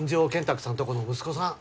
託さんとこの息子さん。